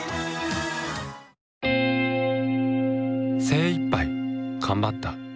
精いっぱい頑張った。